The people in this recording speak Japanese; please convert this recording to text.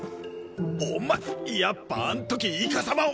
お前やっぱあんときイカサマを！